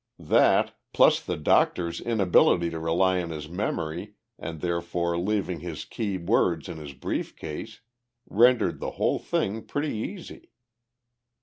That, plus the doctor's inability to rely on his memory and therefore leaving his key words in his brief case, rendered the whole thing pretty easy."